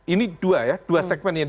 ini dua ya dua segmen ini